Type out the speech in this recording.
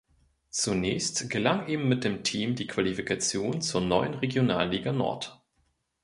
Zunächst gelang ihm mit dem Team die Qualifikation zur neuen Regionalliga Nord.